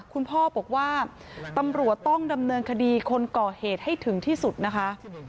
คุณพ่อบอกว่าตำรวจต้องดำเนินคดีคนก่อเหตุให้ถึงที่สุดนะคะ